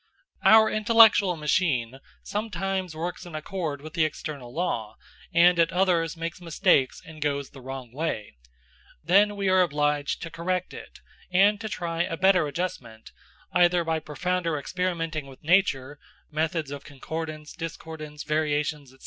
Our intellectual machine sometimes works in accord with the external law and at others makes mistakes and goes the wrong way. Then we are obliged to correct it, and to try a better adjustment, either by profounder experimenting with nature (methods of concordance, discordance, variations, &c.)